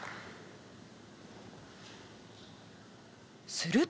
すると。